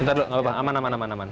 ntar dulu gak apa apa aman aman